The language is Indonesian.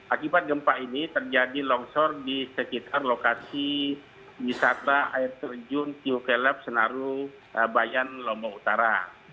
akibat gempa ini terjadi longsor di sekitar lokasi wisata air terjun tiukelep senaru bayan lombok utara